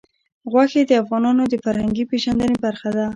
غوښې د افغانانو د فرهنګي پیژندنې برخه ده.